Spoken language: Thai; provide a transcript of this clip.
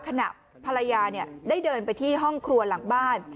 ขณะภรรยาได้เดินไปที่ห้องครัวหลังบ้าน